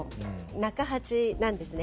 中８なんですね。